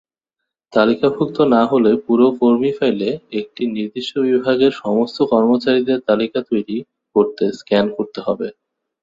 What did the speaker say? তালিকাভুক্ত না হলে পুরো কর্মী ফাইলে একটি নির্দিষ্ট বিভাগের সমস্ত কর্মচারীদের তালিকা তৈরি করতে স্ক্যান করতে হবে।